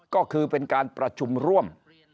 ก็คือเป็นการประชุมร่วม